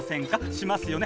しますよね？